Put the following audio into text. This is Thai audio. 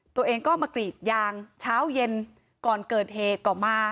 ตัวเองก็มากรีดยางเช้าเย็นก่อนเกิดเหตุก็มา